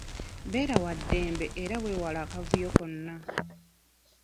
Beera wa ddembe era wewale akavuyo konna.